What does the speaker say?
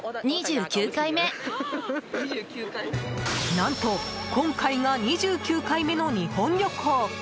何と、今回が２９回目の日本旅行！